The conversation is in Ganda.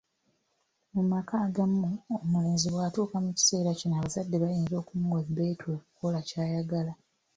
Mu maka agamu omulenzi bwatuuka mu kiseera kino abazadde bayinza okumuwa ebbeetu okukola ky'ayagala.